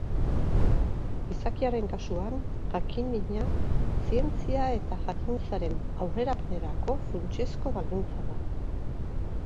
Gizakiaren kasuan, jakin-mina zientzia eta jakintzaren aurrerapenerako funtsezko baldintza da.